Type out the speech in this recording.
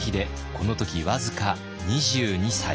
この時僅か２２歳。